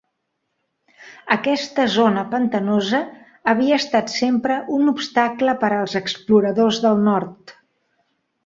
Aquesta zona pantanosa havia estat sempre un obstacle per als exploradors del nord.